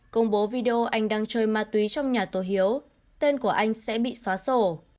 công bố video anh đang chơi ma túy trong nhà tổ hiếu tên của anh sẽ bị xóa sổ